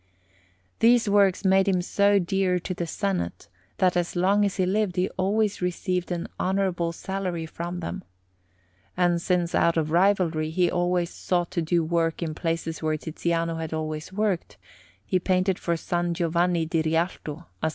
These works made him so dear to the Senate, that as long as he lived he always received an honourable salary from them. And since, out of rivalry, he always sought to do work in places where Tiziano had also worked, he painted for S. Giovanni di Rialto a S.